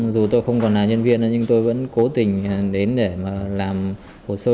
dù tôi không còn là nhân viên nhưng tôi vẫn cố tình đến để mà làm hồ sơ